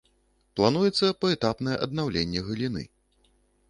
Плануецца паэтапнае аднаўленне галіны.